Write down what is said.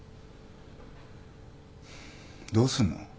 どうすんの？